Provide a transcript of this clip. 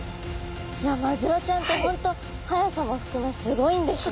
いやマグロちゃんって本当速さも含めすごいんですね。